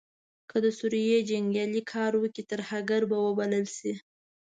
که د سوریې جنګیالې کار وکړي ترهګر به وبلل شي.